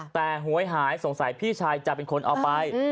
แต่หวยหายสงสัยพี่ชายจะเป็นคนเอาไป